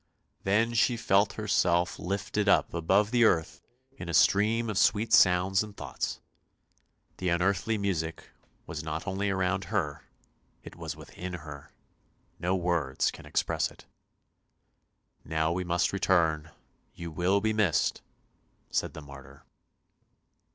Then she felt herself lifted up above the earth in a stream of sweet sounds and thoughts. The un earthly music was not only around her, it was within her. No words can express it. " Now we must return; you will be missed," said the martyr.